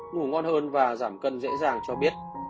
ngủ ngon hơn và giảm cân dễ dàng cho biết